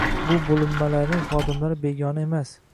Bu bo‘limlarning xodimlari begona emas.